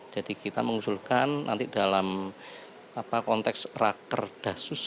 jadi kita mengusulkan nanti dalam konteks rakerdasus